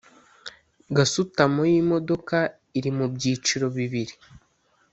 Gasutamo y’ imodoka iri mu byiciro bibiri